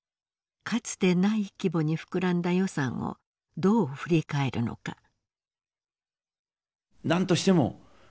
かつてない規模に膨らんだ予算をどう振り返るのか。